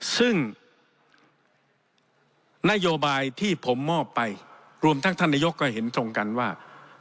ซึ่งนโยบายที่ผมมอบไปรวมทั้งท่านนายกก็เห็นตรงกันว่า